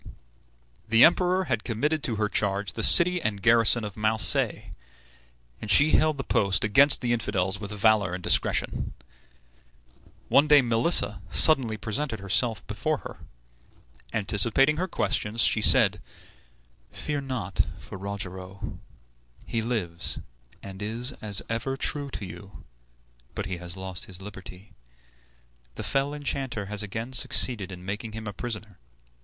The Emperor had committed to her charge the city and garrison of Marseilles, and she held the post against the infidels with valor and discretion. One day Melissa suddenly presented herself before her. Anticipating her questions, she said, "Fear not for Rogero; he lives, and is as ever true to you; but he has lost his liberty. The fell enchanter has again succeeded in making him a prisoner.